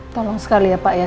tolong sekali ya pak ya